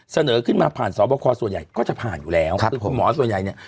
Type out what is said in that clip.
เสนอขึ้นมาผ่านสอบคอส่วนใหญ่ก็จะผ่านอยู่แล้วคือคุณหมอส่วนใหญ่เนี่ย